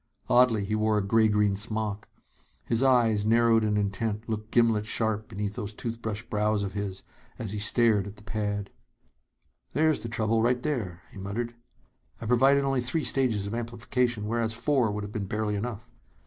Oddly, he wore a gray green smock. His eyes, narrowed and intent, looked gimlet sharp beneath those toothbrush brows of his, as he stared at the pad. "There's the trouble, right there," he muttered. "I provided only three stages of amplification, whereas four would have been barely enough.